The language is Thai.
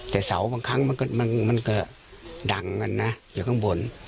แต่เสาบางครั้งมันก็ดังกันนะอยู่ข้างบน